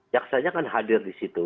jaksanya kan hadir di situ